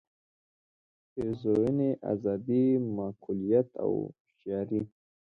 پېرزوینې آزادۍ معقولیت او هوښیارۍ.